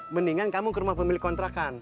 mendingan kamu ke rumah pemilik kontrakan